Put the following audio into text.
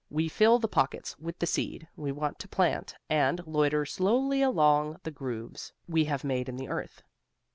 We fill the pockets with the seed, we want to plant and loiter slowly along the grooves we have made in the earth.